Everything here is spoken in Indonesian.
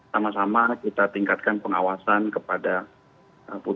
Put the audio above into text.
sama sama kita tingkatkan pengawasan kepada putri